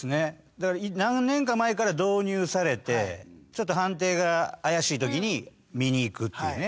だから何年か前から導入されてちょっと判定が怪しい時に見に行くっていうね。